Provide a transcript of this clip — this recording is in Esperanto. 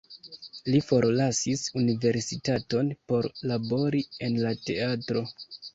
Li forlasis universitaton por labori en la teatro.